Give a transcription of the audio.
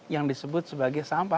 yang disebut sebagai sampah